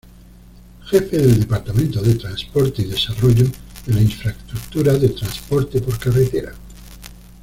Jefe del Departamento de Transporte y Desarrollo de la infraestructura de transporte por carretera.